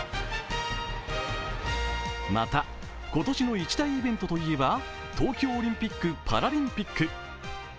また、今年の一大イベントとしては東京オリンピック・パラリンピック。